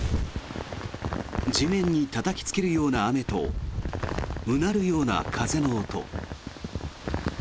地面にたたきつけるような雨とうなるような風の音。